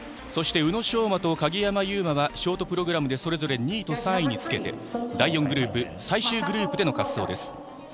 そして宇野昌磨と鍵山優真はショートプログラムでそれぞれ２位と３位につけて第４グループ最終グループでの滑走です。